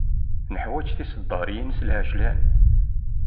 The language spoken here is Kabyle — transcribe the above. Neḥwaǧ tiseddaryin s lεeǧlan.